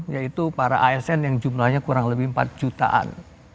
yaitu para asn yang jumlahnya kurang lebih empat jutaan